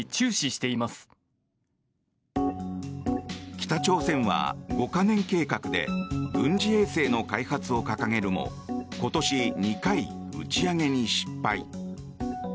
北朝鮮は五カ年計画で軍事衛星の開発を掲げるも今年２回打ち上げに失敗。